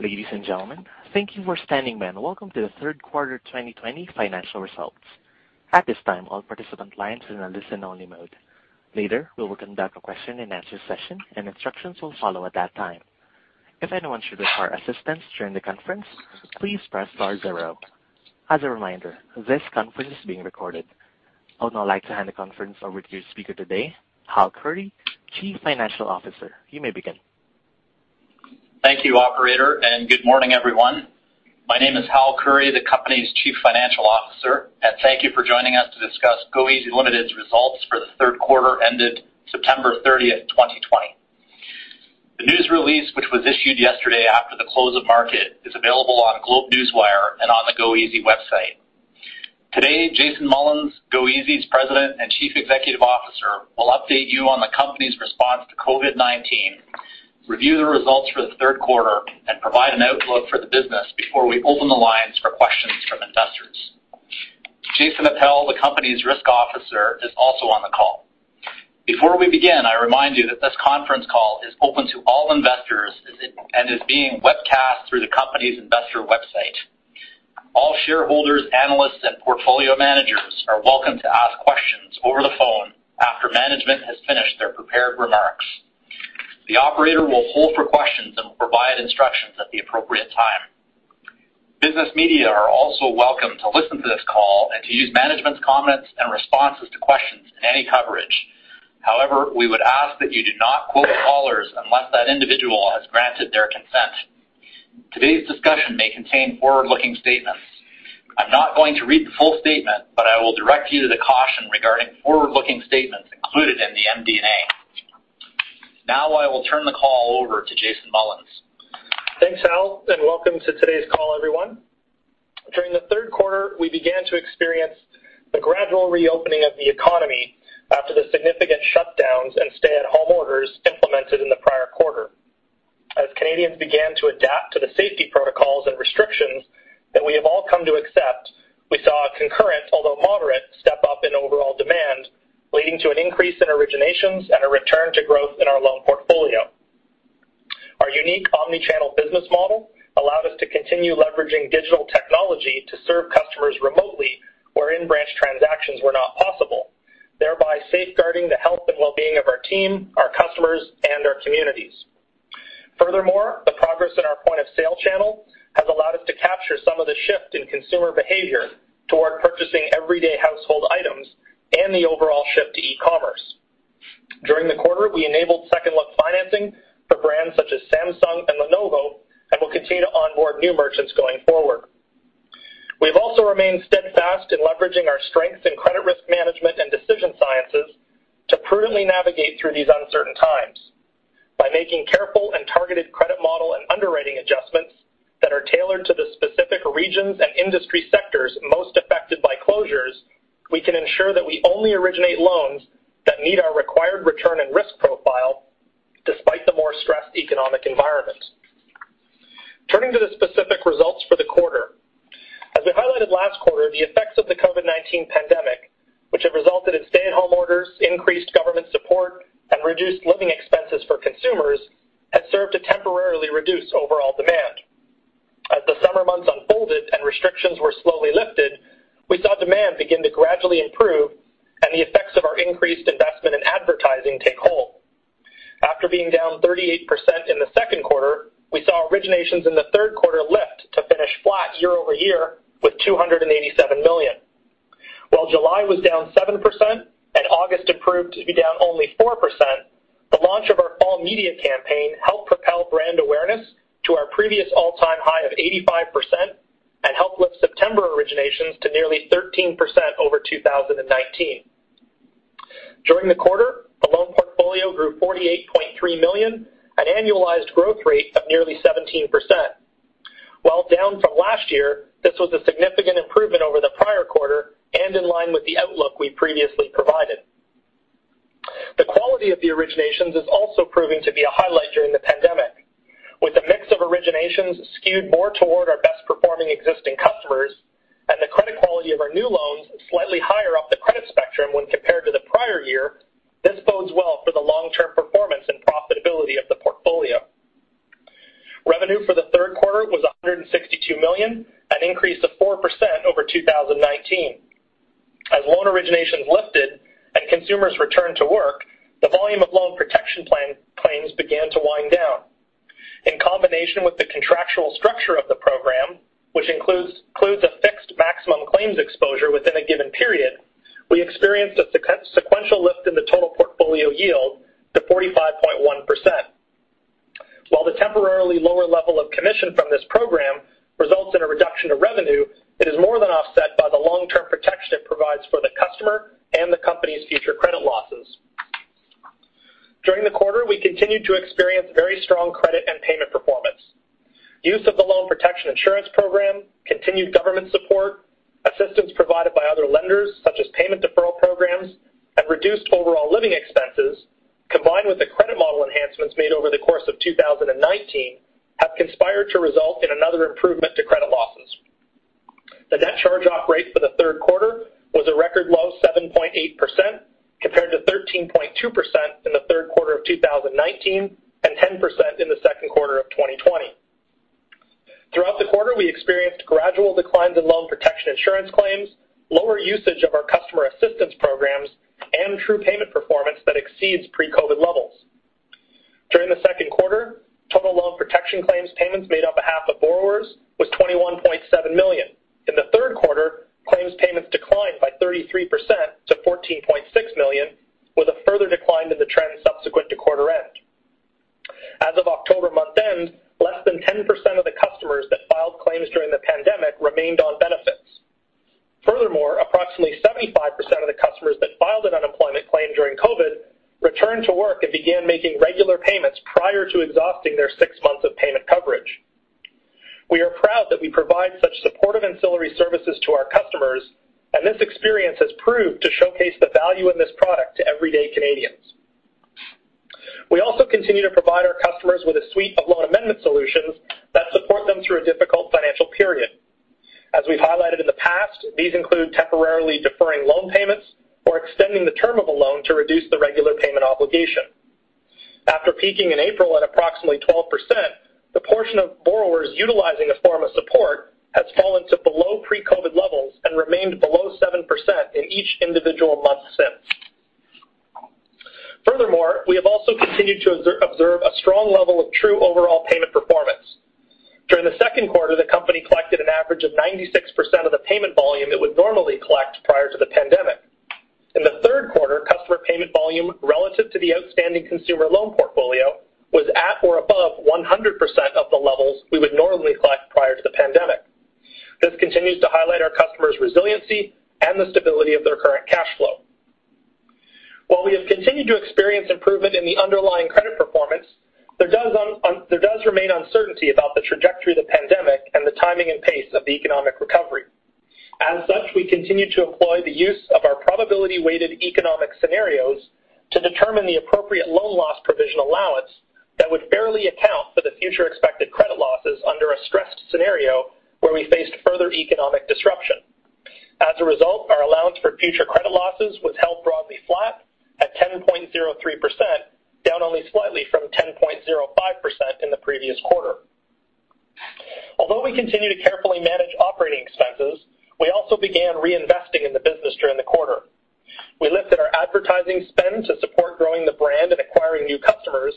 Ladies and gentlemen, thank you for standing by, and welcome to the third quarter 2020 financial results. At this time, all participant lines are in a listen-only mode. Later, we will conduct a question-and-answer session, and instructions will follow at that time. If anyone should require assistance during the conference, please press star zero. As a reminder, this conference is being recorded. I would now like to hand the conference over to your speaker today, Hal Khouri, Chief Financial Officer. You may begin. Thank you, operator, and good morning, everyone. My name is Hal Khouri, the company's Chief Financial Officer. Thank you for joining us to discuss goeasy Ltd.'s results for the third quarter ended September 30th, 2020. The news release, which was issued yesterday after the close of market, is available on GlobeNewswire and on the goeasy website. Today, Jason Mullins, goeasy's President and Chief Executive Officer, will update you on the company's response to COVID-19, review the results for the third quarter, and provide an outlook for the business before we open the lines for questions from investors. Jason Appel, the company's Risk Officer, is also on the call. Before we begin, I remind you that this conference call is open to all investors and is being webcast through the company's investor website. All shareholders, analysts, and portfolio managers are welcome to ask questions over the phone after management has finished their prepared remarks. The operator will hold for questions and will provide instructions at the appropriate time. Business media are also welcome to listen to this call and to use management's comments and responses to questions in any coverage. We would ask that you do not quote callers unless that individual has granted their consent. Today's discussion may contain forward-looking statements. I'm not going to read the full statement, but I will direct you to the caution regarding forward-looking statements included in the MD&A. I will turn the call over to Jason Mullins. Thanks, Hal, and welcome to today's call, everyone. During the third quarter, we began to experience the gradual reopening of the economy after the significant shutdowns and stay-at-home orders implemented in the prior quarter. As Canadians began to adapt to the safety protocols and restrictions that we have all come to accept, we saw a concurrent, although moderate, step-up in overall demand, leading to an increase in originations and a return to growth in our loan portfolio. Our unique omnichannel business model allowed us to continue leveraging digital technology to serve customers remotely where in-branch transactions were not possible, thereby safeguarding the health and wellbeing of our team, our customers, and our communities. Furthermore, the progress in our point-of-sale channel has allowed us to capture some of the shift in consumer behavior toward purchasing everyday household items and the overall shift to e-commerce. During the quarter, we enabled second look financing for brands such as Samsung and Lenovo and will continue to onboard new merchants going forward. We've also remained steadfast in leveraging our strengths in credit risk management and decision sciences to prudently navigate through these uncertain times. By making careful and targeted credit model and underwriting adjustments that are tailored to the specific regions and industry sectors most affected by closures, we can ensure that we only originate loans that meet our required return and risk profile despite the more stressed economic environment. Turning to the specific results for the quarter. As we highlighted last quarter, the effects of the COVID-19 pandemic, which have resulted in stay-at-home orders, increased government support, and reduced living expenses for consumers, had served to temporarily reduce overall demand. As the summer months unfolded and restrictions were slowly lifted, we saw demand begin to gradually improve and the effects of our increased investment in advertising take hold. After being down 38% in the second quarter, we saw originations in the third quarter lift to finish flat year-over-year with 287 million. While July was down 7% and August appeared to be down only 4%, the launch of our fall media campaign helped propel brand awareness to our previous all-time high of 85% and helped lift September originations to nearly 13% over 2019. During the quarter, the loan portfolio grew 48.3 million, an annualized growth rate of nearly 17%. While down from last year, this was a significant improvement over the prior quarter and in line with the outlook we previously provided. The quality of the originations is also proving to be a highlight during the pandemic. With a mix of originations skewed more toward our best-performing existing customers and the credit quality of our new loans slightly higher up the credit spectrum when compared to the prior year, this bodes well for the long-term performance and profitability of the portfolio. Revenue for the third quarter was 162 million, an increase of 4% over 2019. As loan originations lifted and consumers returned to work, the volume of Loan Protection claims began to wind down. In combination with the contractual structure of the program, which includes a fixed maximum claims exposure within a given period, we experienced a sequential lift in the total portfolio yield to 45.1%. While the temporarily lower level of commission from this program results in a reduction of revenue, it is more than offset by the long-term protection it provides for the customer and the company's future credit losses. During the quarter, we continued to experience very strong credit and payment performance. Use of the Loan Protection Insurance program, continued government support, assistance provided by other lenders, such as payment deferral programs, and reduced overall living expenses, combined with the credit model enhancements made over the course of 2019, have conspired to result in another improvement to credit losses. The net charge-off rate for the third quarter was a record low 7.8%, compared to 13.2% in the third quarter of 2019 and 10% in the second quarter of 2020. Throughout the quarter, we experienced gradual declines in Loan Protection Insurance claims, lower usage of our customer assistance programs, and true payment performance that exceeds pre-COVID levels. During the second quarter, total Loan Protection Insurance claims payments made on behalf of borrowers was CAD 21.7 million. In the third quarter, claims payments declined by 33% to CAD 14.6 million, with a further decline in the trend subsequent to quarter end. As of October month-end, less than 10% of the customers that filed claims during the pandemic remained on benefits. Furthermore, approximately 75% of the customers that filed an unemployment claim during COVID returned to work and began making regular payments prior to exhausting their six months of payment coverage. We are proud that we provide such supportive ancillary services to our customers, and this experience has proved to showcase the value in this product to everyday Canadians. We also continue to provide our customers with a suite of loan amendment solutions that support them through a difficult financial period. As we've highlighted in the past, these include temporarily deferring loan payments or extending the term of a loan to reduce the regular payment obligation. After peaking in April at approximately 12%, the portion of borrowers utilizing a form of support has fallen to below pre-COVID levels and remained below 7% in each individual month since. Furthermore, we have also continued to observe a strong level of true overall payment performance. During the second quarter, the company collected an average of 96% of the payment volume it would normally collect prior to the pandemic. In the third quarter, customer payment volume relative to the outstanding consumer loan portfolio was at or above 100% of the levels we would normally collect prior to the pandemic. This continues to highlight our customers' resiliency and the stability of their current cash flow. While we have continued to experience improvement in the underlying credit performance, there does remain uncertainty about the trajectory of the pandemic and the timing and pace of the economic recovery. As such, we continue to employ the use of our probability-weighted economic scenarios to determine the appropriate loan loss provision allowance that would fairly account for the future expected credit losses under a stressed scenario where we faced further economic disruption. As a result, our allowance for future credit losses was held broadly flat at 10.03%, down only slightly from 10.05% in the previous quarter. Although we continue to carefully manage operating expenses, we also began reinvesting in the business during the quarter. We lifted our advertising spend to support growing the brand and acquiring new customers.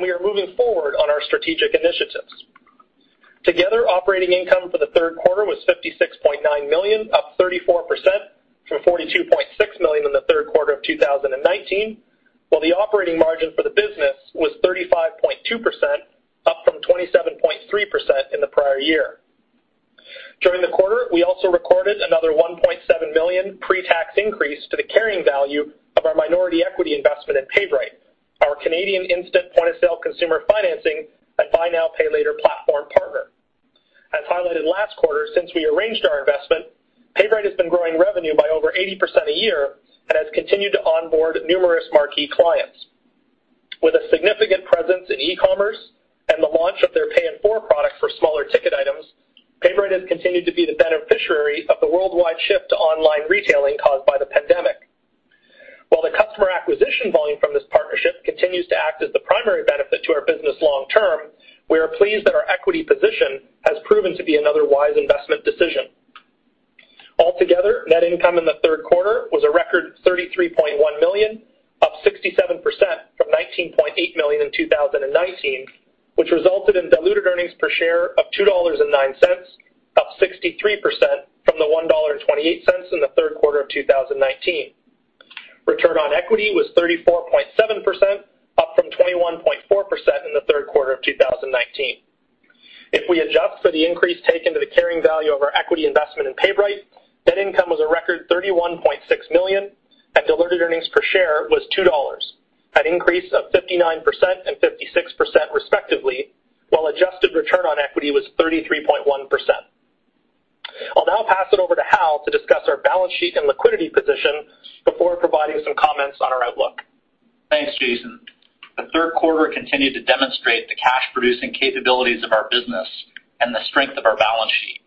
We are moving forward on our strategic initiatives. Together, operating income for the third quarter was 56.9 million, up 34% from 42.6 million in the third quarter of 2019, while the operating margin for the business was 35.2%, up from 27.3% in the prior year. During the quarter, we also recorded another 1.7 million pre-tax increase to the carrying value of our minority equity investment at PayBright, our Canadian instant point-of-sale consumer financing and buy now, pay later platform partner. As highlighted last quarter, since we arranged our investment, PayBright has been growing revenue by over 80% a year and has continued to onboard numerous marquee clients. With a significant presence in e-commerce and the launch of their Pay in 4 product for smaller ticket items, PayBright has continued to be the beneficiary of the worldwide shift to online retailing caused by the pandemic. While the customer acquisition volume from this partnership continues to act as the primary benefit to our business long-term, we are pleased that our equity position has proven to be another wise investment decision. Altogether, net income in the third quarter was a record 33.1 million, up 67% from 19.8 million in 2019, which resulted in diluted earnings per share of 2.09 dollars, up 63% from the 1.28 dollar in the third quarter of 2019. Return on equity was 34.7%, up from 21.4% in the third quarter of 2019. If we adjust for the increase taken to the carrying value of our equity investment in PayBright, net income was a record 31.6 million and diluted earnings per share was 2 dollars, an increase of 59% and 56% respectively, while adjusted return on equity was 33.1%. I'll now pass it over to Hal to discuss our balance sheet and liquidity position before providing some comments on our outlook. Thanks, Jason. The third quarter continued to demonstrate the cash-producing capabilities of our business and the strength of our balance sheet.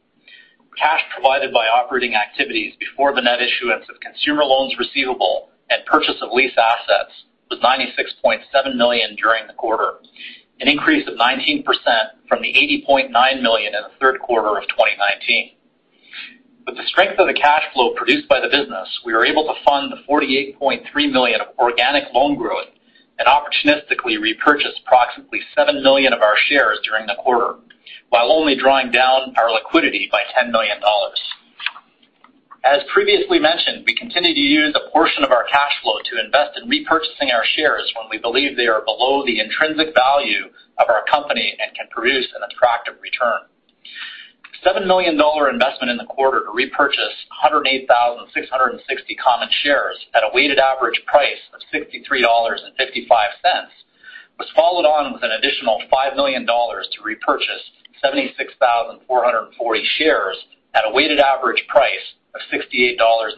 Cash provided by operating activities before the net issuance of consumer loans receivable and purchase of lease assets was 96.7 million during the quarter, an increase of 19% from the 80.9 million in the third quarter of 2019. With the strength of the cash flow produced by the business, we were able to fund the 48.3 million of organic loan growth and opportunistically repurchase approximately 7 million of our shares during the quarter while only drawing down our liquidity by 10 million dollars. As previously mentioned, we continue to use a portion of our cash flow to invest in repurchasing our shares when we believe they are below the intrinsic value of our company and can produce an attractive return. The 7 million dollar investment in the quarter to repurchase 108,660 common shares at a weighted average price of 63.55 dollars was followed on with an additional 5 million dollars to repurchase 76,440 shares at a weighted average price of 68.39 dollars,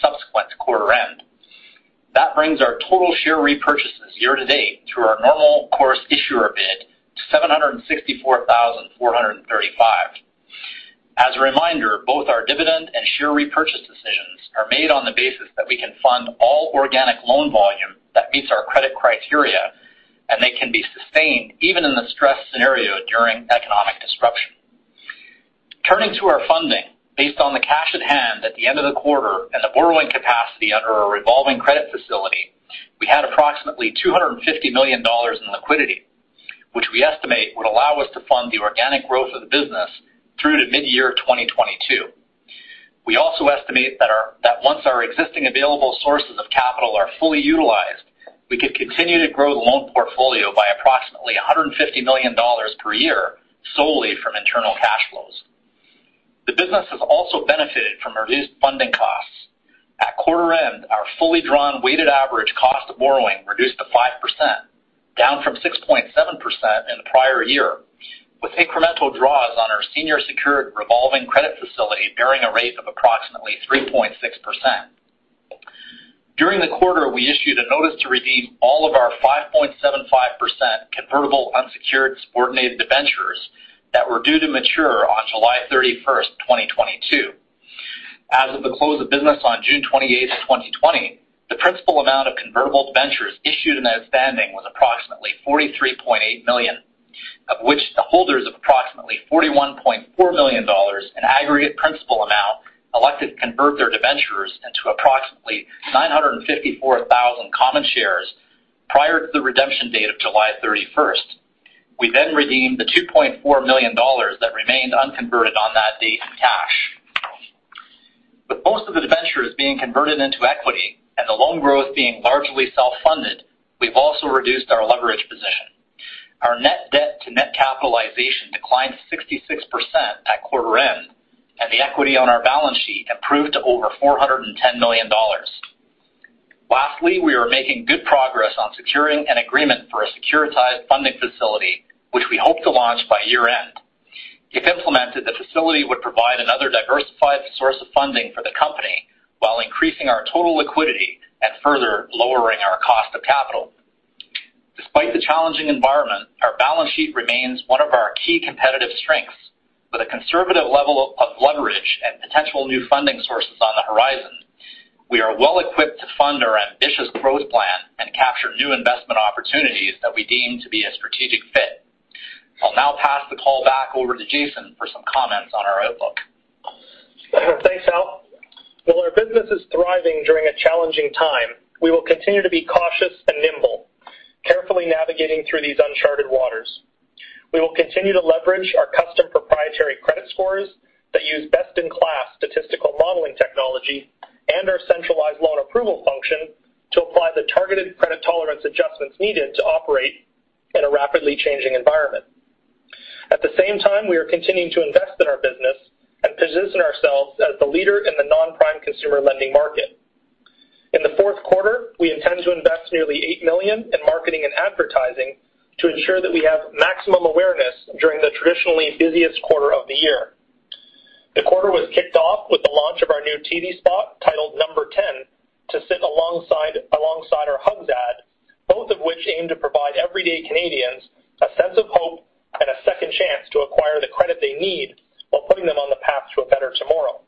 subsequent to quarter end. That brings our total share repurchases year-to-date through our Normal Course Issuer Bid to 764,435. As a reminder, both our dividend and share repurchase decisions are made on the basis that we can fund all organic loan volume that meets our credit criteria, and they can be sustained even in the stress scenario during economic disruption. Turning to our funding. Based on the cash at hand at the end of the quarter and the borrowing capacity under our senior secured revolving credit facility, we had approximately 250 million dollars in liquidity, which we estimate would allow us to fund the organic growth of the business through to mid-year 2022. We also estimate that once our existing available sources of capital are fully utilized, we could continue to grow the loan portfolio by approximately 150 million dollars per year, solely from internal cash flows. The business has also benefited from reduced funding costs. At quarter end, our fully drawn weighted average cost of borrowing reduced to 5%, down from 6.7% in the prior year, with incremental draws on our senior secured revolving credit facility bearing a rate of approximately 3.6%. During the quarter, we issued a notice to redeem all of our 5.75% convertible unsecured subordinated debentures that were due to mature on July 31st, 2022. As of the close of business on June 28th, 2020, the principal amount of convertible debentures issued and outstanding was approximately 43.8 million, of which the holders of approximately 41.4 million dollars in aggregate principal amount elected to convert their debentures into approximately 954,000 common shares prior to the redemption date of July 31st. We redeemed the 2.4 million dollars that remained unconverted on that date in cash. With most of the debentures being converted into equity and the loan growth being largely self-funded, we've also reduced our leverage position. Our net debt to net capitalization declined 66% at quarter end, and the equity on our balance sheet improved to over 410 million dollars. Lastly, we are making good progress on securing an agreement for a securitized funding facility, which we hope to launch by year-end. If implemented, the facility would provide another diversified source of funding for the company while increasing our total liquidity and further lowering our cost of capital. Despite the challenging environment, our balance sheet remains one of our key competitive strengths. With a conservative level of leverage and potential new funding sources on the horizon, we are well equipped to fund our ambitious growth plan and capture new investment opportunities that we deem to be a strategic fit. I'll now pass the call back over to Jason for some comments on our outlook. Thanks, Hal. While our business is thriving during a challenging time, we will continue to be cautious and nimble, carefully navigating through these uncharted waters. We will continue to leverage our custom proprietary credit scores that use best-in-class statistical modeling technology and our centralized loan approval function to apply the targeted credit tolerance adjustments needed to operate in a rapidly changing environment. At the same time, we are continuing to invest in our business and position ourselves as the leader in the non-prime consumer lending market. In the fourth quarter, we intend to invest nearly 8 million in marketing and advertising to ensure that we have maximum awareness during the traditionally busiest quarter of the year. The quarter was kicked off with the launch of our new TV spot titled Number Ten to sit alongside our Hugs ad, both of which aim to provide everyday Canadians a sense of hope and a second chance to acquire the credit they need while putting them on the path to a better tomorrow.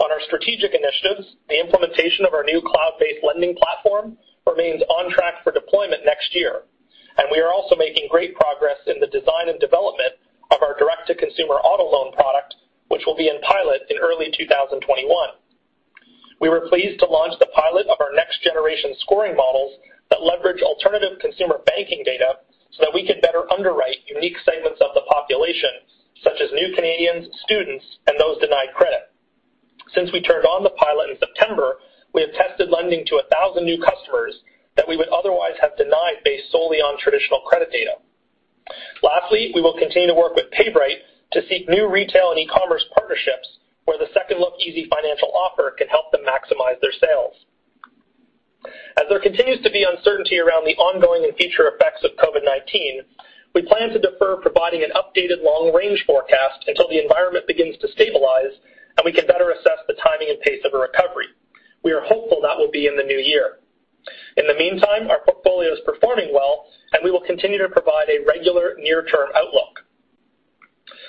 On our strategic initiatives, the implementation of our new cloud-based lending platform remains on track for deployment next year. We are also making great progress in the design and development of our direct-to-consumer auto loan product, which will be in pilot in early 2021. We were pleased to launch the pilot of our next-generation scoring models that leverage alternative consumer banking data so that we could better underwrite unique segments of the population, such as new Canadians, students, and those denied credit. Since we turned on the pilot in September, we have tested lending to 1,000 new customers that we would otherwise have denied based solely on traditional credit data. Lastly, we will continue to work with PayBright to seek new retail and e-commerce partnerships where the Second Look easyfinancial offer can help them maximize their sales. As there continues to be uncertainty around the ongoing and future effects of COVID-19, we plan to defer providing an updated long-range forecast until the environment begins to stabilize and we can better assess the timing and pace of a recovery. We are hopeful that will be in the new year. In the meantime, our portfolio is performing well, and we will continue to provide a regular near-term outlook.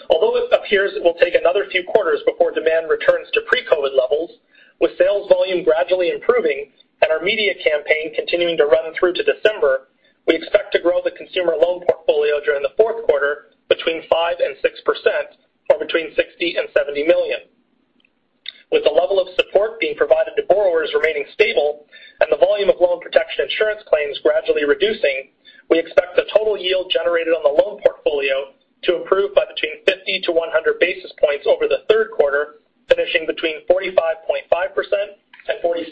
Although it appears it will take another few quarters before demand returns to pre-COVID levels, with sales volume gradually improving and our media campaign continuing to run through to December, we expect to grow the consumer loan portfolio during the fourth quarter between 5% and 6%, or between 60 million and 70 million. With the level of support being provided to borrowers remaining stable and the volume of Loan Protection Insurance claims gradually reducing, we expect the total yield generated on the loan portfolio to improve by between 50-100 basis points over the third quarter, finishing between 45.5% and 46.5%.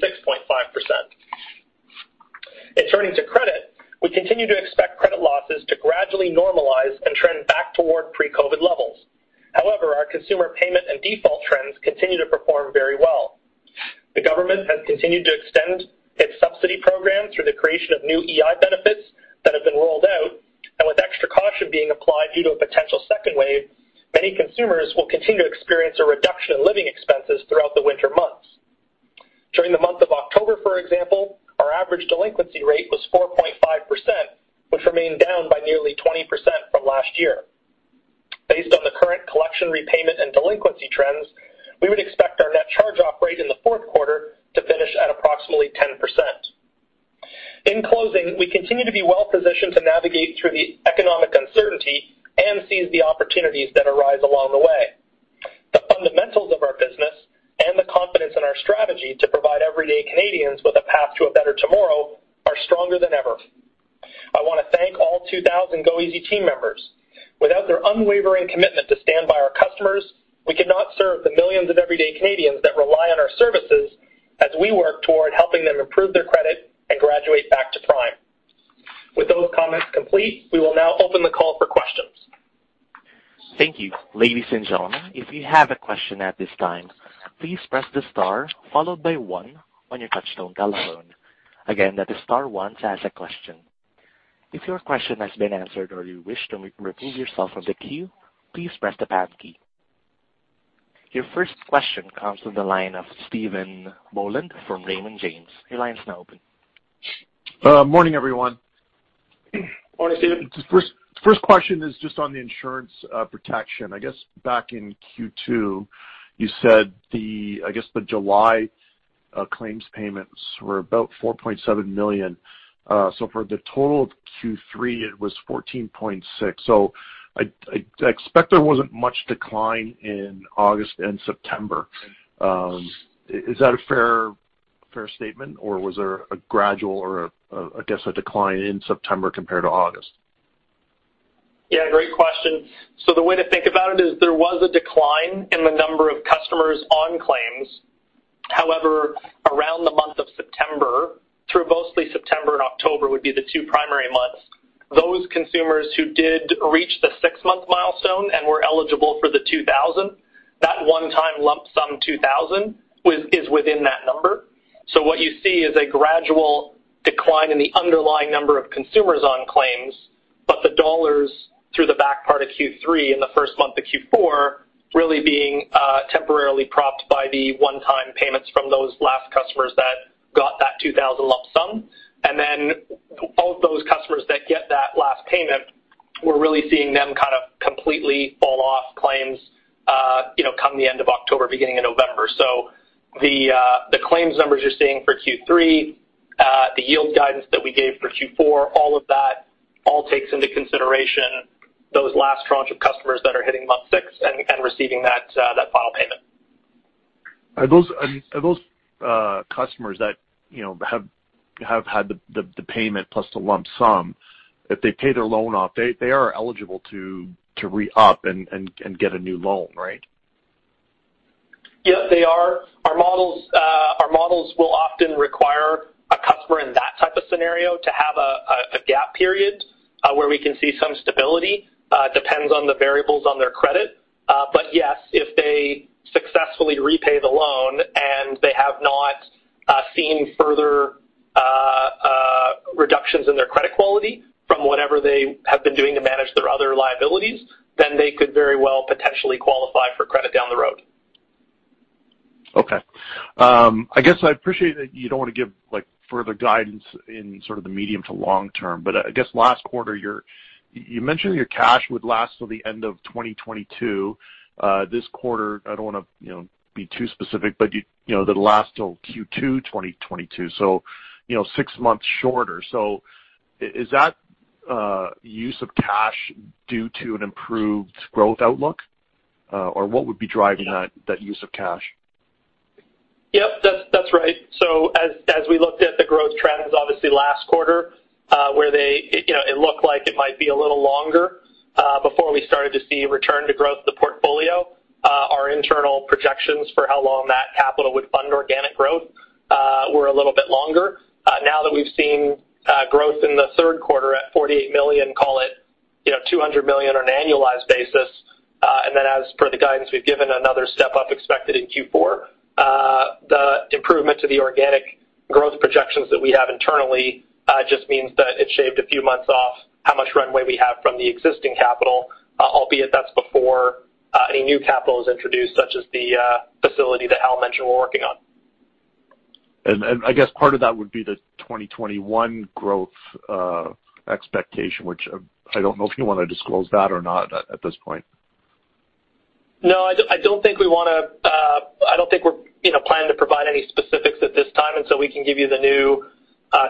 In turning to credit, we continue to expect credit losses to gradually normalize and trend back toward pre-COVID levels. However, our consumer payment and default trends continue to perform very well. The government has continued to extend its subsidy program through the creation of new EI benefits that have been rolled out being applied due to a potential second wave, many consumers will continue to experience a reduction in living expenses throughout the winter months. During the month of October, for example, our average delinquency rate was 4.5%, which remained down by nearly 20% from last year. Based on the current collection repayment and delinquency trends, we would expect our net charge-off rate in the fourth quarter to finish at approximately 10%. In closing, we continue to be well positioned to navigate through the economic uncertainty and seize the opportunities that arise along the way. The fundamentals of our business and the confidence in our strategy to provide everyday Canadians with a path to a better tomorrow are stronger than ever. I want to thank all 2,000 goeasy team members. Without their unwavering commitment to stand by our customers, we could not serve the millions of everyday Canadians that rely on our services as we work toward helping them improve their credit and graduate back to prime. With those comments complete, we will now open the call for questions. Thank you. Ladies and gentlemen, if you have a question at this time, please press the star followed by one on your touchtone telephone. Again, that is star one to ask a question. If your question has been answered or you wish to remove yourself from the queue, please press the pound key. Your first question comes from the line of Stephen Boland from Raymond James. Your line's now open. Morning, everyone. Morning, Stephen. First question is just on the insurance protection. I guess back in Q2 you said the July claims payments were about 4.7 million. For the total of Q3 it was 14.6. I expect there wasn't much decline in August and September. Is that a fair statement, or was there a gradual or, I guess, a decline in September compared to August? Yeah, great question. The way to think about it is there was a decline in the number of customers on claims. However, around the month of September through mostly September and October would be the two primary months. Those consumers who did reach the six-month milestone and were eligible for the 2,000, that one-time lump sum 2,000 is within that number. What you see is a gradual decline in the underlying number of consumers on claims. The dollars through the back part of Q3 and the first month of Q4 really being temporarily propped by the one-time payments from those last customers that got that 2,000 lump sum. All of those customers that get that last payment, we're really seeing them kind of completely fall off claims come the end of October, beginning of November. The claims numbers you're seeing for Q3, the yield guidance that we gave for Q4, all of that takes into consideration those last tranche of customers that are hitting month 6 and receiving that final payment. Are those customers that have had the payment plus the lump sum, if they pay their loan off, they are eligible to re-up and get a new loan, right? Yes, they are. Our models will often require a customer in that type of scenario to have a gap period where we can see some stability. Depends on the variables on their credit. Yes, if they successfully repay the loan and they have not seen further reductions in their credit quality from whatever they have been doing to manage their other liabilities, then they could very well potentially qualify for credit down the road. Okay. I guess I appreciate that you don't want to give further guidance in sort of the medium to long term, I guess last quarter you mentioned your cash would last till the end of 2022. This quarter, I don't want to be too specific, it'll last till Q2 2022, so six months shorter. Is that use of cash due to an improved growth outlook? What would be driving that use of cash? Yep, that's right. As we looked at the growth trends, obviously last quarter where it looked like it might be a little longer before we started to see a return to growth of the portfolio our internal projections for how long that capital would fund organic growth were a little bit longer. Now that we've seen growth in the third quarter at 48 million, call it 200 million on an annualized basis, then as per the guidance we've given, another step up expected in Q4. The improvement to the organic growth projections that we have internally just means that it shaved a few months off how much runway we have from the existing capital, albeit that's before any new capital is introduced, such as the facility that Hal mentioned we're working on. I guess part of that would be the 2021 growth expectation, which I don't know if you want to disclose that or not at this point. No, I don't think we're planning to provide any specifics at this time until we can give you the new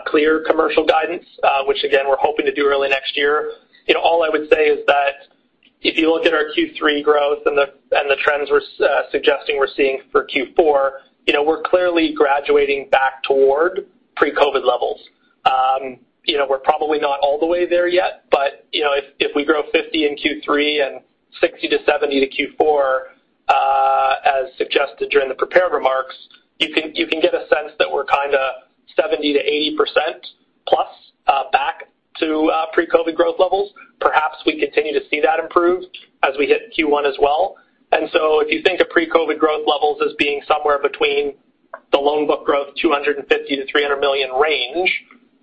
clear commercial guidance, which again, we're hoping to do early next year. All I would say is that if you look at our Q3 growth and the trends we're suggesting we're seeing for Q4, we're clearly graduating back toward pre-COVID-19 levels. We're probably not all the way there yet, but if we grow 50 million in Q3 and 60 million-70 million in Q4 as suggested during the prepared remarks, you can get a sense that we're kind of 70%-80%+ back to pre-COVID-19 growth levels. Perhaps we continue to see that improve as we hit Q1 as well. If you think of pre-COVID-19 growth levels as being somewhere between the loan book growth 250 million-300 million range,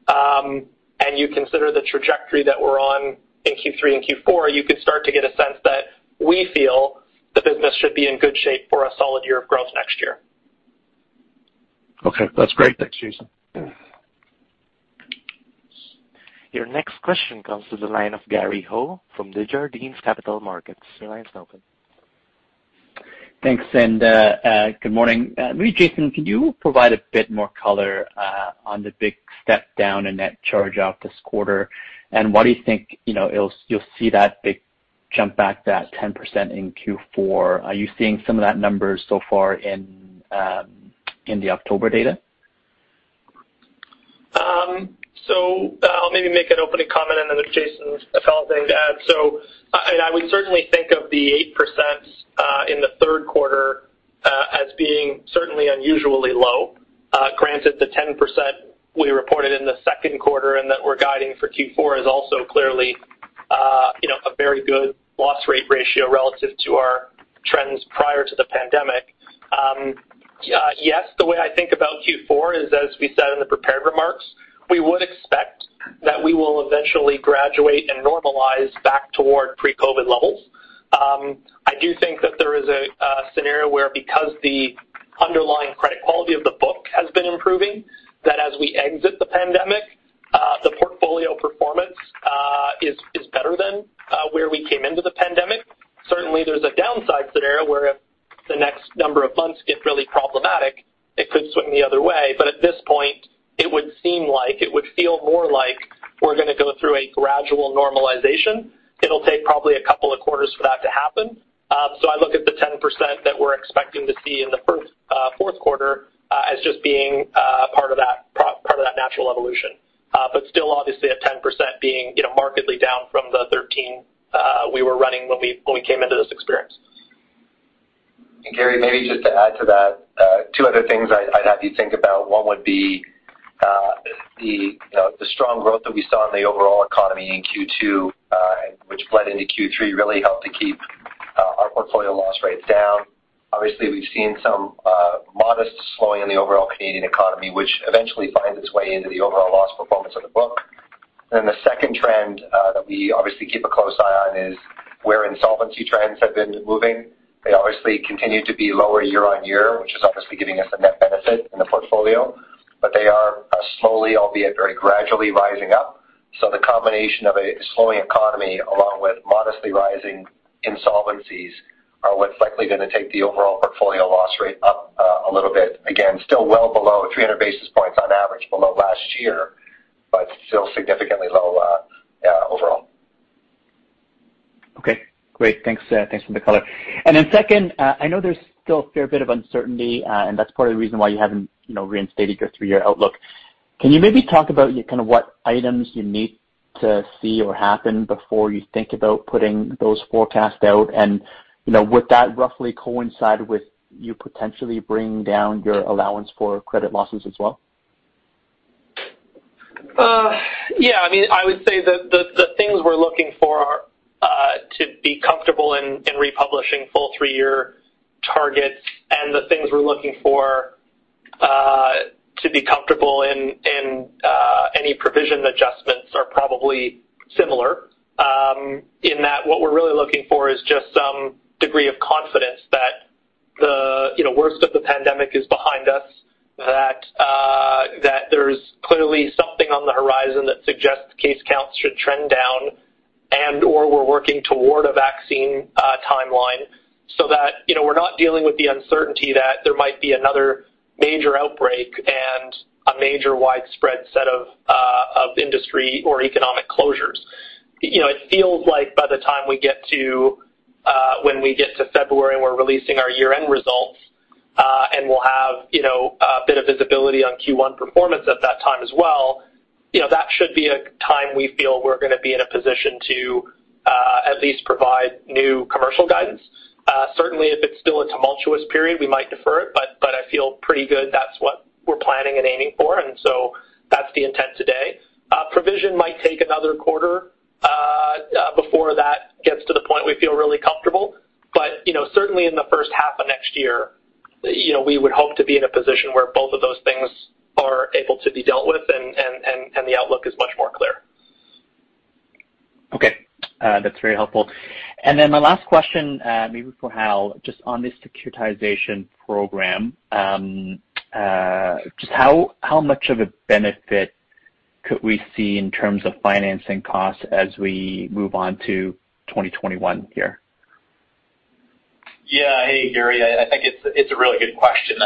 and you consider the trajectory that we're on in Q3 and Q4, you could start to get a sense that we feel the business should be in good shape for a solid year of growth next year. Okay. That's great. Thanks, Jason. Your next question comes to the line of Gary Ho from Desjardins Capital Markets. Your line's open. Thanks, good morning. Maybe Jason, can you provide a bit more color on the big step down in net charge-off this quarter, why do you think you'll see that big jump back, that 10% in Q4? Are you seeing some of that numbers so far in the October data? I'll maybe make an opening comment, and then if Jason has anything to add. Granted, the 10% we reported in the second quarter and that we're guiding for Q4 is also clearly a very good loss rate ratio relative to our trends prior to the pandemic. Yes, the way I think about Q4 is, as we said in the prepared remarks, we would expect that we will eventually graduate and normalize back toward pre-COVID levels. I do think that there is a scenario where, because the underlying credit quality of the book has been improving, that as we exit the pandemic, the portfolio performance is better than where we came into the pandemic. Certainly, there's a downside scenario where if the next number of months get really problematic, it could swing the other way. At this point, it would seem like it would feel more like we're going to go through a gradual normalization. It'll take probably a couple of quarters for that to happen. I look at the 10% that we're expecting to see in the first fourth quarter as just being part of that natural evolution. Still, obviously at 10% being markedly down from the 13% we were running when we came into this experience. Gary, maybe just to add to that, two other things I'd have you think about. One would be the strong growth that we saw in the overall economy in Q2, which bled into Q3, really helped to keep our portfolio loss rates down. Obviously, we've seen some modest slowing in the overall Canadian economy, which eventually finds its way into the overall loss performance of the book. The second trend that we obviously keep a close eye on is where insolvency trends have been moving. They obviously continue to be lower year-over-year, which is obviously giving us a net benefit in the portfolio. They are slowly, albeit very gradually, rising up. The combination of a slowing economy along with modestly rising insolvencies are what's likely going to take the overall portfolio loss rate up a little bit. Again, still well below 300 basis points on average below last year, but still significantly low overall. Okay, great. Thanks for the color. Second, I know there's still a fair bit of uncertainty, and that's part of the reason why you haven't reinstated your three-year outlook. Can you maybe talk about kind of what items you need to see or happen before you think about putting those forecasts out? Would that roughly coincide with you potentially bringing down your allowance for credit losses as well? Yeah. I would say that the things we're looking for to be comfortable in republishing full three-year targets and the things we're looking for to be comfortable in any provision adjustments are probably similar, in that what we're really looking for is just some degree of confidence that the worst of the pandemic is behind us, that there's clearly something on the horizon that suggests case counts should trend down and/or we're working toward a vaccine timeline so that we're not dealing with the uncertainty that there might be another major outbreak and a major widespread set of industry or economic closures. It feels like by the time when we get to February, and we're releasing our year-end results, and we'll have a bit of visibility on Q1 performance at that time as well, that should be a time we feel we're going to be in a position to at least provide new commercial guidance. Certainly, if it's still a tumultuous period, we might defer it, but I feel pretty good that's what we're planning and aiming for, and so that's the intent today. Provision might take another quarter before that gets to the point we feel really comfortable. Certainly in the first half of next year, we would hope to be in a position where both of those things are able to be dealt with, and the outlook is much more clear. Okay, that's very helpful. My last question, maybe for Hal, just on the securitization program. Just how much of a benefit could we see in terms of financing costs as we move on to 2021 here? Hey, Gary. I think it's a really good question.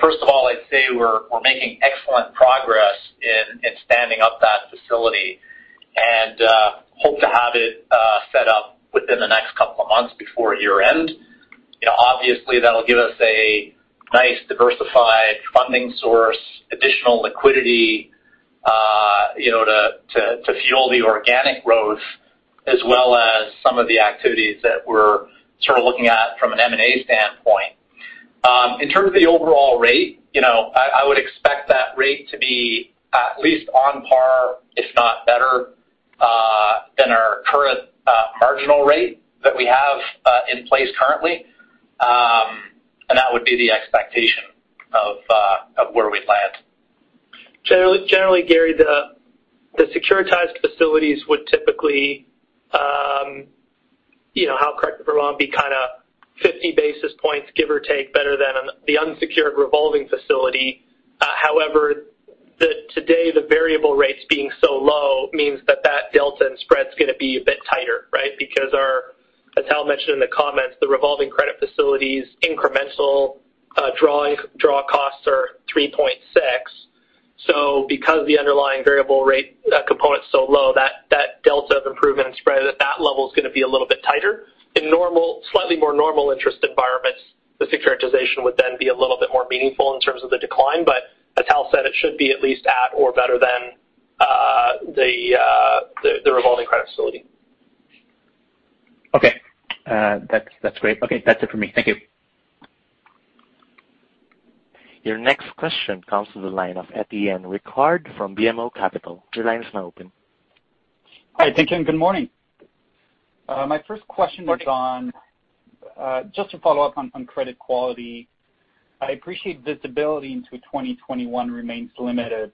First of all, I'd say we're making excellent progress in standing up that facility and hope to have it set up within the next couple of months before year-end. Obviously, that'll give us a nice diversified funding source, additional liquidity to fuel the organic growth, as well as some of the activities that we're sort of looking at from an M&A standpoint. In terms of the overall rate, I would expect that rate to be at least on par, if not better marginal rate that we have in place currently, and that would be the expectation of where we'd land. Generally, Gary, the securitized facilities would typically, I'll correct if I'm wrong, be 50 basis points, give or take, better than the unsecured revolving facility. Today, the variable rates being so low means that delta and spread's going to be a bit tighter, because as Hal mentioned in the comments, the revolving credit facilities incremental draw costs are 3.6. Because the underlying variable rate component's so low, that delta of improvement and spread at that level is going to be a little bit tighter. In slightly more normal interest environments, the securitization would then be a little bit more meaningful in terms of the decline. As Hal said, it should be at least at or better than the revolving credit facility. Okay. That's great. That's it for me, thank you. Your next question comes from the line of Etienne Ricard from BMO Capital Markets. Your line is now open. Hi, thank you, and good morning. My first question was on- Morning. Just to follow up on credit quality. I appreciate visibility into 2021 remains limited.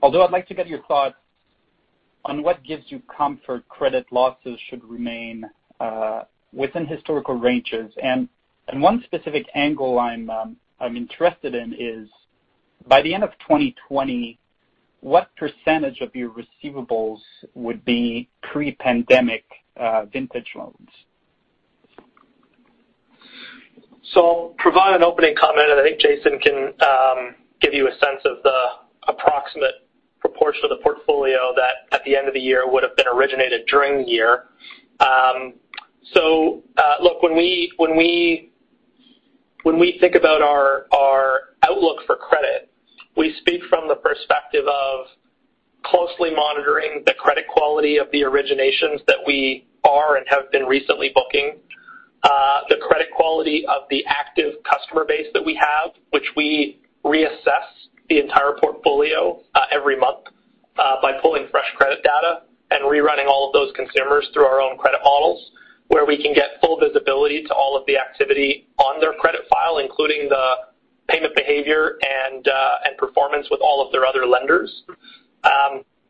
Although I'd like to get your thoughts on what gives you comfort credit losses should remain within historical ranges. One specific angle I'm interested in is by the end of 2020, what percentage of your receivables would be pre-pandemic vintage loans? I'll provide an opening comment, and I think Jason can give you a sense of the approximate proportion of the portfolio that at the end of the year would've been originated during the year. Look, when we think about our outlook for credit, we speak from the perspective of closely monitoring the credit quality of the originations that we are and have been recently booking. The credit quality of the active customer base that we have, which we reassess the entire portfolio every month by pulling fresh credit data and rerunning all of those consumers through our own credit models, where we can get full visibility to all of the activity on their credit file, including the payment behavior and performance with all of their other lenders.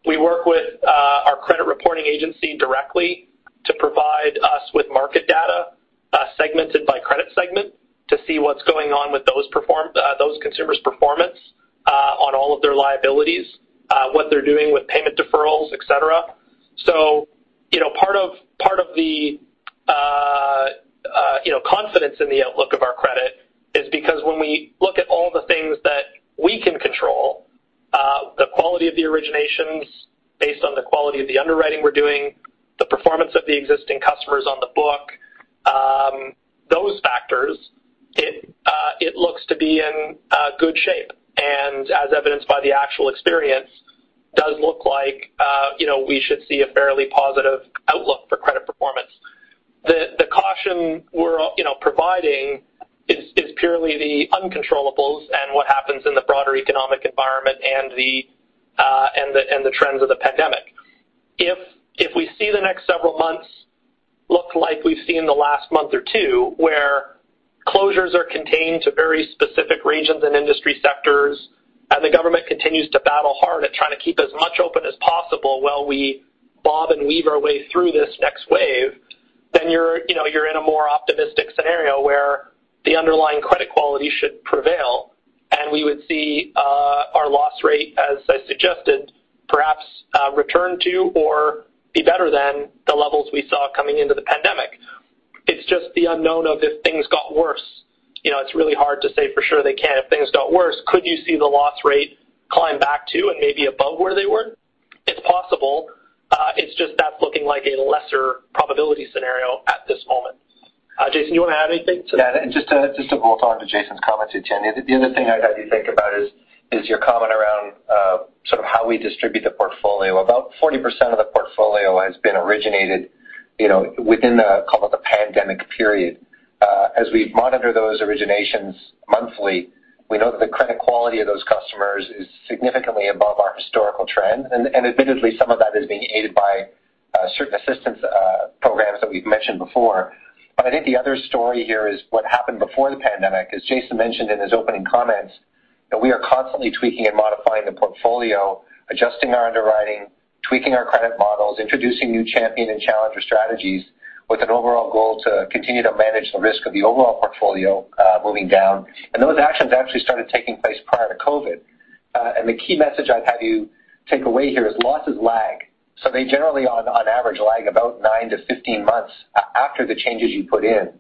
We work with our credit reporting agency directly to provide us with market data segmented by credit segment to see what's going on with those consumers' performance on all of their liabilities. What they're doing with payment deferrals, etc. Part of the confidence in the outlook of our credit is because when we look at all the things that we can control, the quality of the originations based on the quality of the underwriting we're doing, the performance of the existing customers on the book, those factors, it looks to be in good shape. As evidenced by the actual experience, does look like we should see a fairly positive outlook for credit performance. The caution we're providing is purely the uncontrollables and what happens in the broader economic environment and the trends of the pandemic. If we see the next several months look like we've seen the last month or two, where closures are contained to very specific regions and industry sectors, and the government continues to battle hard at trying to keep as much open as possible while we bob and weave our way through this next wave, then you're in a more optimistic scenario where the underlying credit quality should prevail and we would see our loss rate, as I suggested, perhaps return to or be better than the levels we saw coming into the pandemic. It's just the unknown of if things got worse. It's really hard to say for sure they can't. If things got worse, could you see the loss rate climb back to and maybe above where they were? It's possible. It's just that's looking like a lesser probability scenario at this moment. Jason, do you want to add anything to that? Yeah, just to bolt onto Jason's comments, Etienne, the other thing I'd have you think about is your comment around how we distribute the portfolio. About 40% of the portfolio has been originated within the, call it, the pandemic period. We monitor those originations monthly, we know that the credit quality of those customers is significantly above our historical trend. Admittedly, some of that is being aided by certain assistance programs that we've mentioned before. I think the other story here is what happened before the pandemic. Jason mentioned in his opening comments, that we are constantly tweaking and modifying the portfolio, adjusting our underwriting, tweaking our credit models, introducing new champion and challenger strategies with an overall goal to continue to manage the risk of the overall portfolio moving down. Those actions actually started taking place prior to COVID. The key message I'd have you take away here is losses lag. They generally on average lag about 9-15 months after the changes you put in.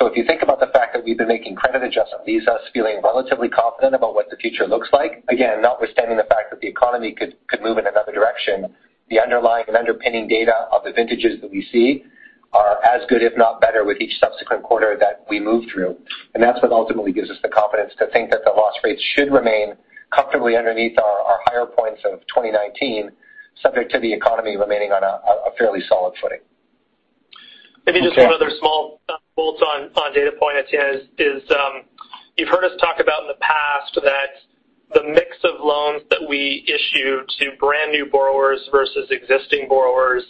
If you think about the fact that we've been making credit adjustments, leaves us feeling relatively confident about what the future looks like. Again, notwithstanding the fact that the economy could move in another direction, the underlying and underpinning data of the vintages that we see are as good, if not better, with each subsequent quarter that we move through. That's what ultimately gives us the confidence to think that the loss rates should remain comfortably underneath our higher points of 2019, subject to the economy remaining on a fairly solid footing. Maybe just one other small bolt-on data point, Etienne, is you've heard us talk about the mix of loans that we issue to brand new borrowers versus existing borrowers,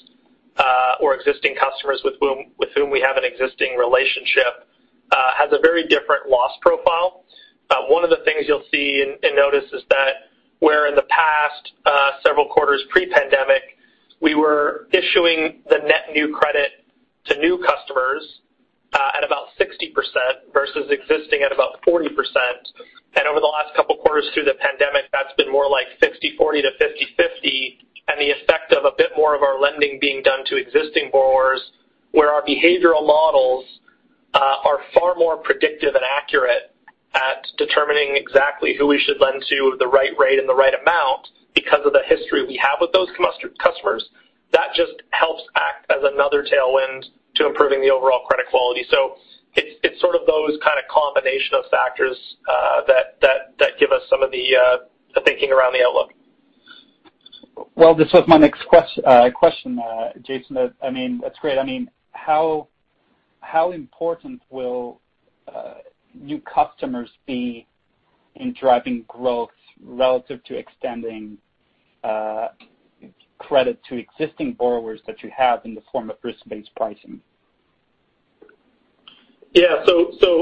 or existing customers with whom we have an existing relationship, has a very different loss profile. One of the things you'll see and notice is that where in the past several quarters pre-pandemic, we were issuing the net new credit to new customers at about 60% versus existing at about 40%. Over the last couple of quarters through the pandemic, that's been more like 60/40 to 50/50. The effect of a bit more of our lending being done to existing borrowers, where our behavioral models are far more predictive and accurate at determining exactly who we should lend to at the right rate and the right amount because of the history we have with those customers. That just helps act as another tailwind to improving the overall credit quality. It's those kind of combination of factors that give us some of the thinking around the outlook. Well, this was my next question, Jason. That's great. How important will new customers be in driving growth relative to extending credit to existing borrowers that you have in the form of risk-based pricing? Yeah.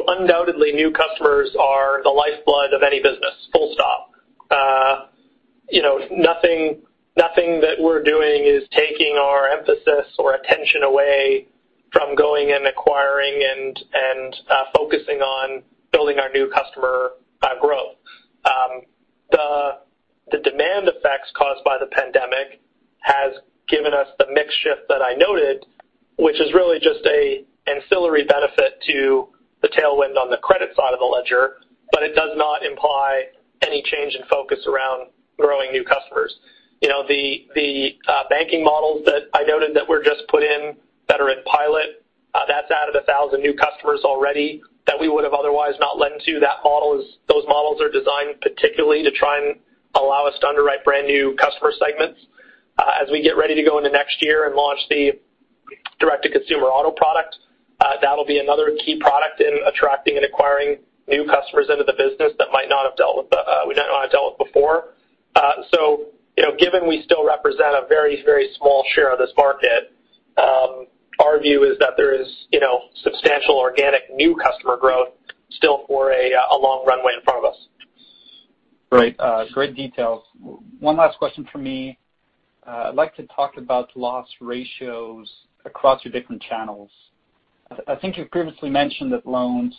Undoubtedly, new customers are the lifeblood of any business. Full stop. Nothing that we're doing is taking our emphasis or attention away from going and acquiring and focusing on building our new customer growth. The demand effects caused by the pandemic has given us the mix shift that I noted, which is really just an ancillary benefit to the tailwind on the credit side of the ledger, but it does not imply any change in focus around growing new customers. The banking models that I noted that were just put in that are in pilot, that's added 1,000 new customers already that we would have otherwise not lent to. Those models are designed particularly to try and allow us to underwrite brand new customer segments. As we get ready to go into next year and launch the direct-to-consumer auto product, that'll be another key product in attracting and acquiring new customers into the business that might not have dealt with before. Given we still represent a very small share of this market, our view is that there is substantial organic new customer growth still for a long runway in front of us. Great details. One last question from me. I'd like to talk about loss ratios across your different channels. I think you previously mentioned that loans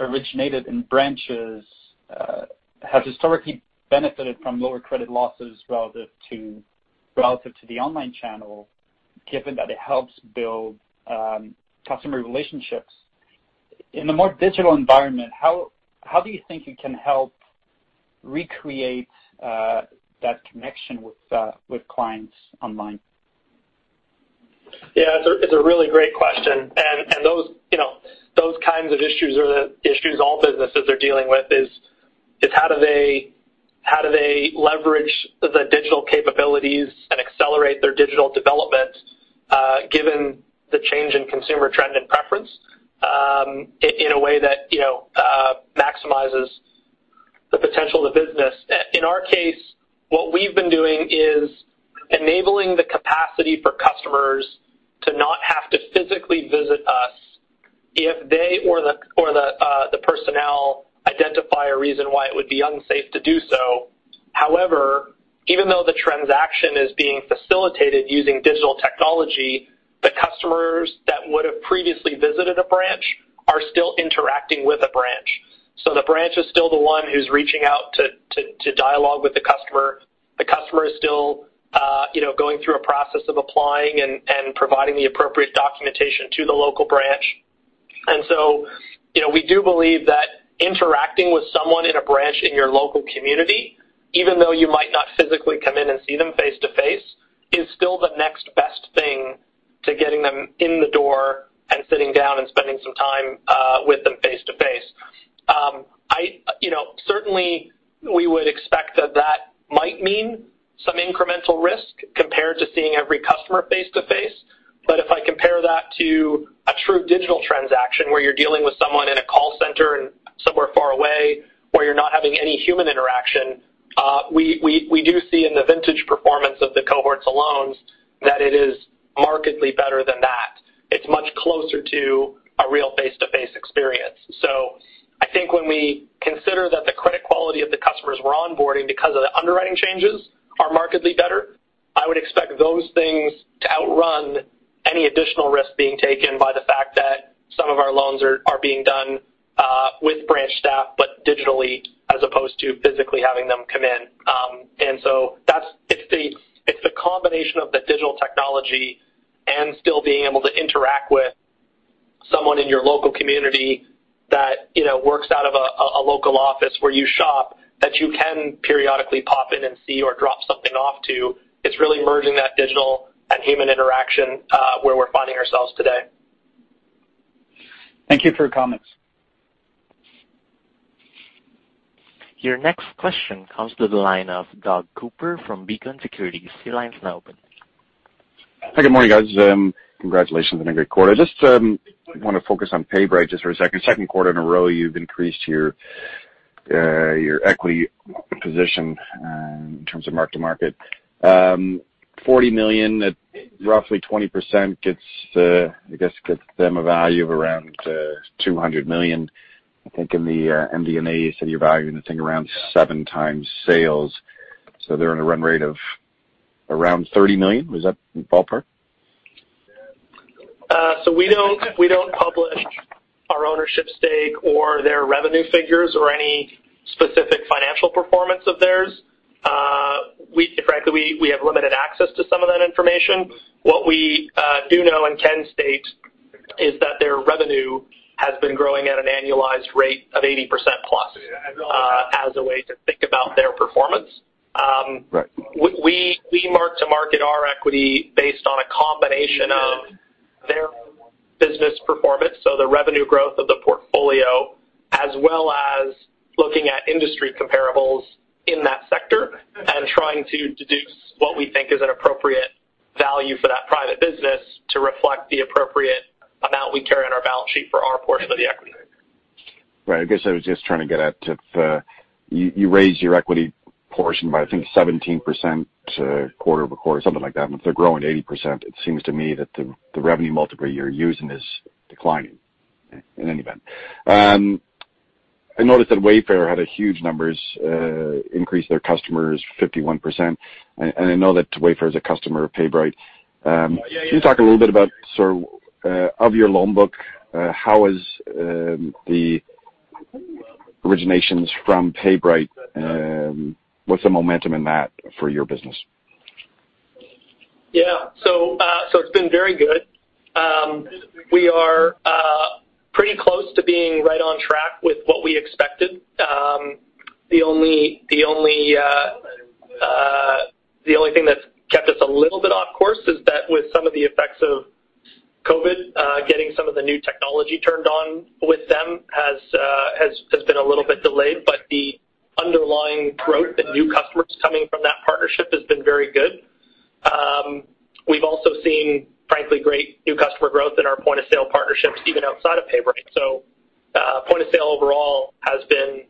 originated in branches have historically benefited from lower credit losses relative to the online channel, given that it helps build customer relationships. In a more digital environment, how do you think you can help recreate that connection with clients online? It's a really great question. Those kinds of issues are the issues all businesses are dealing with, is how do they leverage the digital capabilities and accelerate their digital development given the change in consumer trend and preference in a way that maximizes the potential of the business. In our case, what we've been doing is enabling the capacity for customers to not have to physically visit us if they or the personnel identify a reason why it would be unsafe to do so. Even though the transaction is being facilitated using digital technology, the customers that would have previously visited a branch are still interacting with a branch. The branch is still the one who's reaching out to dialogue with the customer. The customer is still going through a process of applying and providing the appropriate documentation to the local branch. We do believe that interacting with someone in a branch in your local community, even though you might not physically come in and see them face-to-face, is still the next best thing to getting them in the door and sitting down and spending some time with them face-to-face. Certainly, we would expect that that might mean some incremental risk compared to seeing every customer face-to-face. If I compare that to a true digital transaction where you're dealing with someone in a call center and somewhere far away where you're not having any human interaction, we do see in the vintage performance of the cohorts of loans that it is markedly better than that. It's much closer to a real face-to-face experience. I think when we consider that the credit quality of the customers we're onboarding because of the underwriting changes are markedly better, I would expect those things to outrun any additional risk being taken by the fact that some of our loans are being done with branch staff, but digitally as opposed to physically having them come in. It's the combination of the digital technology and still being able to interact with someone in your local community that works out of a local office where you shop that you can periodically pop in and see or drop something off to. It's really merging that digital and human interaction where we're finding ourselves today. Thank you for your comments. Your next question comes to the line of Doug Cooper from Beacon Securities. Your line's now open. Hi, good morning, guys. Congratulations on a great quarter. Want to focus on PayBright just for a second. Second quarter in a row, you've increased your equity position in terms of mark-to-market. 40 million at roughly 20% I guess, gets them a value of around 200 million. I think in the MD&A, you said your value in the thing around 7x sales. They're in a run rate of around 30 million. Is that in the ballpark? We don't publish our ownership stake or their revenue figures or any specific financial performance of theirs. Frankly, we have limited access to some of that information. What we do know and can state is that their revenue has been growing at an annualized rate of 80%+, as a way to think about their performance. Right. We mark to market our equity based on a combination of their business performance, so the revenue growth of the portfolio, as well as looking at industry comparables in that sector and trying to deduce what we think is an appropriate value for that private business to reflect the appropriate amount we carry on our balance sheet for our portion of the equity. Right. I guess I was just trying to get at if you raise your equity portion by, I think, 17% quarter-over-quarter, something like that, and if they're growing 80%, it seems to me that the revenue multiple you're using is declining in any event. I noticed that Wayfair had huge numbers, increased their customers 51%, and I know that Wayfair is a customer of PayBright. Can you talk a little bit about of your loan book, how is the originations from PayBright, what's the momentum in that for your business? Yeah, it's been very good. We are pretty close to being right on track with what we expected. The only thing that's kept us a little bit off course is that with some of the effects of COVID-19, getting some of the new technology turned on with them has been a little bit delayed. The underlying growth and new customers coming from that partnership has been very good. We've also seen, frankly, great new customer growth in our point-of-sale partnerships, even outside of PayBright. Point-of-sale overall has been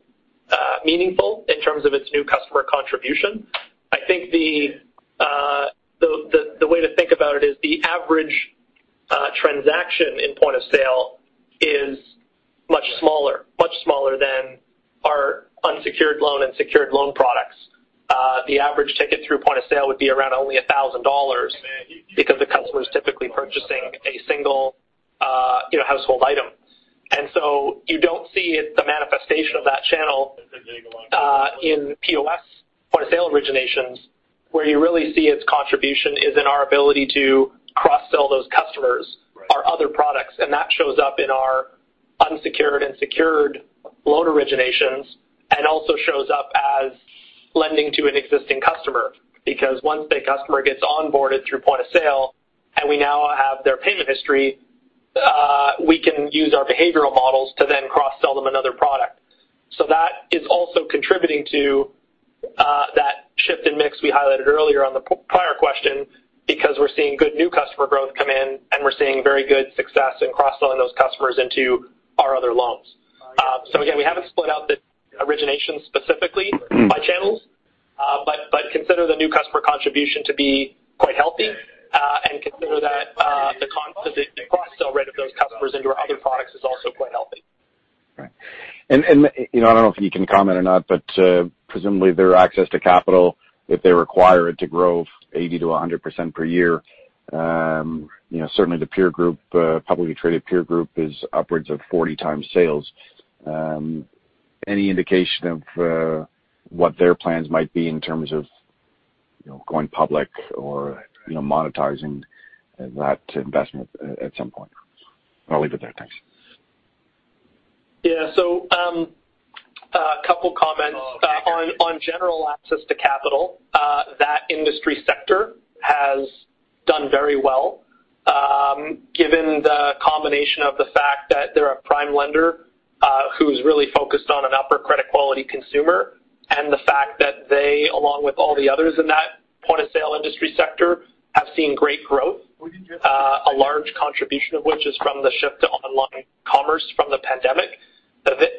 meaningful in terms of its new customer contribution. I think the way to think about it is the average transaction in point-of-sale is much smaller than our unsecured loan and secured loan products. The average ticket through point-of-sale would be around only 1,000 dollars because the customer's typically purchasing a single household item. You don't see the manifestation of that channel in POS, point-of-sale originations. Where you really see its contribution is in our ability to cross-sell those customers our other products, and that shows up in our unsecured and secured loan originations and also shows up as lending to an existing customer. Because once a customer gets onboarded through point-of-sale and we now have their payment history, we can use our behavioral models to then cross-sell them another product. That is also contributing to that shift in mix we highlighted earlier on the prior question because we're seeing good new customer growth come in and we're seeing very good success in cross-selling those customers into our other loans. Again, we haven't split out the origination specifically by channels. Consider the new customer contribution to be quite healthy, and consider that the cross-sell rate of those customers into our other products is also quite healthy. Right. I don't know if you can comment or not, but presumably their access to capital, if they require it to grow 80%-100% per year. Certainly the publicly traded peer group is upwards of 40x sales. Any indication of what their plans might be in terms of going public or monetizing that investment at some point? I'll leave it there. Thanks. A couple comments. On general access to capital, that industry sector has done very well. Given the combination of the fact that they're a prime lender who's really focused on an upper credit quality consumer and the fact that they, along with all the others in that point-of-sale industry sector, have seen great growth, a large contribution of which is from the shift to online commerce from the pandemic.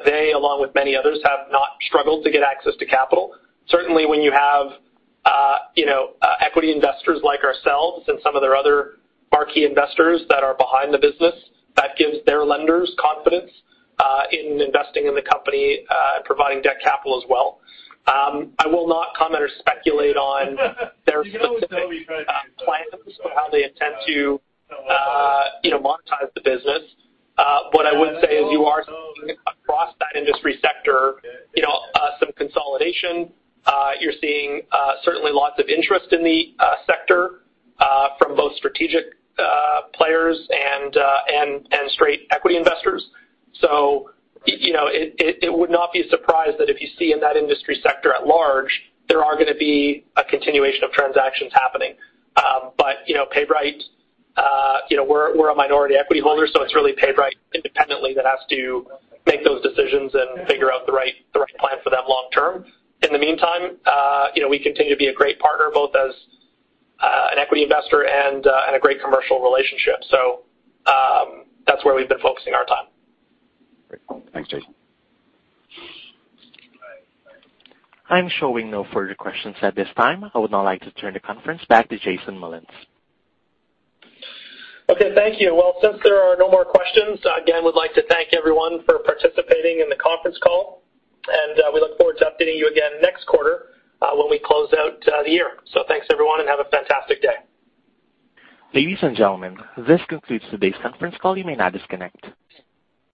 They, along with many others, have not struggled to get access to capital. Certainly when you have equity investors like ourselves and some of their other marquee investors that are behind the business, that gives their lenders confidence in investing in the company and providing debt capital as well. I will not comment or speculate on their specific plans for how they intend to monetize the business. What I would say is you are across that industry sector some consolidation. You're seeing certainly lots of interest in the sector from both strategic players and straight equity investors. It would not be a surprise that if you see in that industry sector at large, there are going to be a continuation of transactions happening. PayBright, we're a minority equity holder, so it's really PayBright independently that has to make those decisions and figure out the right plan for them long term. In the meantime, we continue to be a great partner, both as an equity investor and a great commercial relationship. That's where we've been focusing our time. Great. Thanks, Jason. I'm showing no further questions at this time. I would now like to turn the conference back to Jason Mullins. Okay, thank you. Well, since there are no more questions, again, would like to thank everyone for participating in the conference call, and we look forward to updating you again next quarter when we close out the year. Thanks, everyone, and have a fantastic day. Ladies and gentlemen, this concludes today's conference call. You may now disconnect.